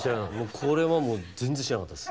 これはもう全然知らなかったです。